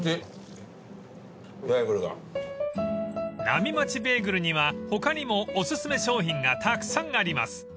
［なみまちベーグルには他にもおすすめ商品がたくさんあります］